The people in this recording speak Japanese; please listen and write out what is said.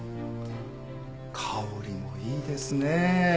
香りもいいですね！